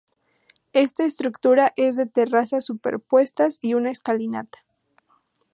Esta estructura es de terrazas superpuestas y una escalinata.